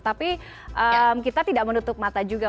tapi kita tidak menutup mata juga